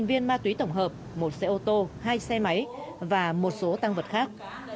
một viên ma túy tổng hợp một xe ô tô hai xe máy và một số tăng vật khác